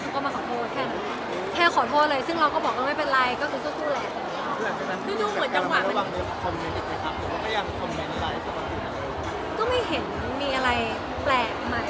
ก็ไม่เห็นมีอะไรแปลกใหม่